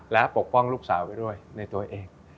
และปกป้องลูกสาวไปด้วยในตัวเอง